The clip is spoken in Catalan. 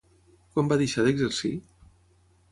Quan va deixar d'exercir?